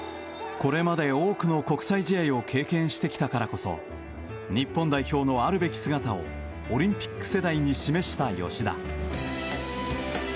これまで多くの国際試合を経験してきたからこそ日本代表のあるべき姿をオリンピック世代に示した吉田。